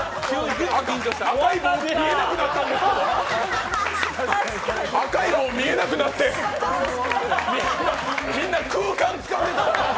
赤い棒、見えなくなったんですけど、赤い棒、見えなくなってみんな空間つかんでた。